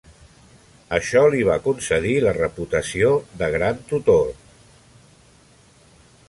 Això li va concedir la reputació del gran tutor.